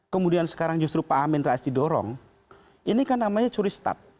kemudian sekarang justru pak amin rais didorong ini kan namanya curi start